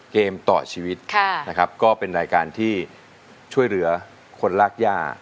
เกมต่อชีวิตนะครับก็เป็นรายการที่ช่วยเหลือคนลากย่า